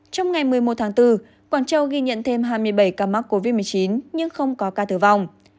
trong ngày một mươi một tháng bốn quảng châu ghi nhận thêm hai mươi bảy ca mắc covid một mươi chín nhưng không có ca tử vong